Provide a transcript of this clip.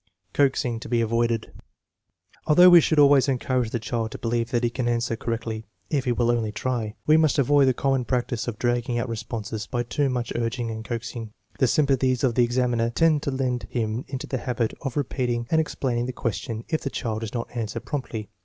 Coaxing to be avoided. Although we should always INSTRUCTIONS FOR USING 131 encourage the child to believe that he can answer cor rectly, if he will only try, we must avoid the common practice of dragging out responses by too much urging and coaxing. The sympathies of the examiner tend to lead him into the habit of repeating and explaining tie question if the child does not answer promptly.